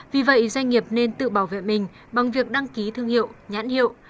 vì vậy doanh nghiệp nên tự bảo vệ mình bằng việc đăng ký thương hiệu nhãn hiệu